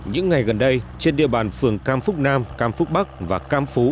những ngày gần đây trên địa bàn phường cam phúc nam cam phúc bắc và cam phú